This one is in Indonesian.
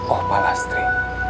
oh pak lastri